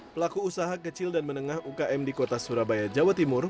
pelaku usaha kecil dan menengah ukm di kota surabaya jawa timur